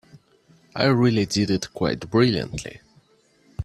I really did it quite brilliantly.